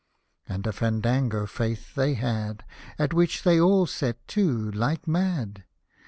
And a Fandango, 'faith, they had. At which they all set to, like mad